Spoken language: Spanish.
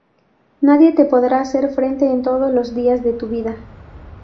Nadie te podrá hacer frente en todos los días de tu vida.